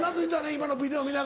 今のビデオ見ながら。